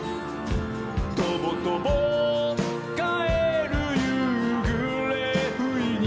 「とぼとぼかえるゆうぐれふいに」